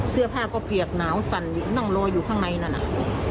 เสื้อผ้าก็เปียกหนาวสั่นนั่งรออยู่ข้างในนั่นน่ะ